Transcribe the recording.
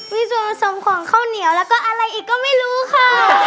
มีส่วนผสมของข้าวเหนียวแล้วก็อะไรอีกก็ไม่รู้ค่ะ